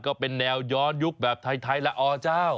ก็เป็นแนวย้อนยุคแบบไทยละอเจ้า